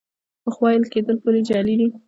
پخوا ویل کېدل پولې جعلي دي.